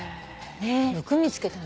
よく見つけたね。